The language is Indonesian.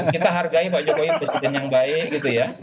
kita hargai pak jokowi presiden yang baik gitu ya